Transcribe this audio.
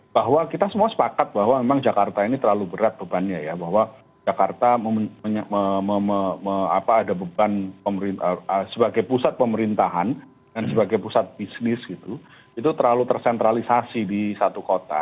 bahwa kita semua sepakat bahwa memang jakarta ini terlalu berat bebannya ya bahwa jakarta ada beban sebagai pusat pemerintahan dan sebagai pusat bisnis itu terlalu tersentralisasi di satu kota